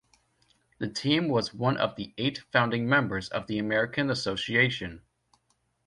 The team was one of the eight founding members of the American Association.